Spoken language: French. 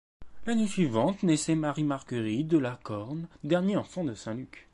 L'année suivante, naissait Marie-Marguerite de la Corne, dernier enfant de Saint-Luc.